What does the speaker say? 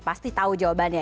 pasti tahu jawabannya